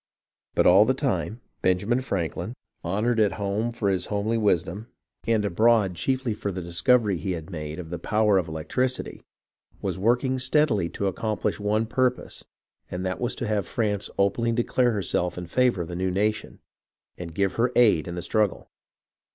But all the time, Benjamin Franklin, honoured at home for his homely wisdom and abroad chiefly for the discovery 227 228 HISTORY OF THE AMERICAN REVOLUTION he had made of the power of electricity, was working steadily to accomplish one purpose, and that was to have France openly declare herself in favour of the new nation, and give her aid in the struggle.